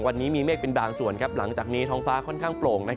วันนี้มีเมฆเป็นบางส่วนหลังจากนี้ท้องฟ้าค่อนข้างโปร่ง